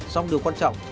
xong điều quan trọng